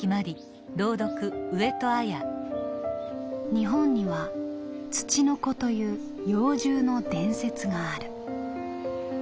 「日本には『つちのこ』という妖獣の伝説がある。